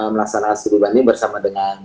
melaksanakan studi banding bersama dengan